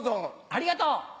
ありがとう！